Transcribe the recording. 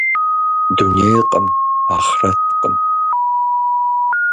Дунейкъым, ахърэткъым.